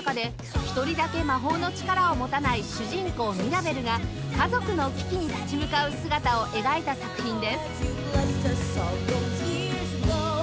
一人だけ魔法の力を持たない主人公ミラベルが家族の危機に立ち向かう姿を描いた作品です